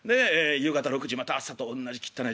夕方６時また朝とおんなじきったない